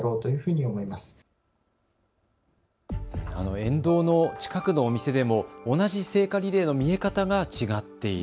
沿道の近くのお店でも同じ聖火リレーの見え方が違っている。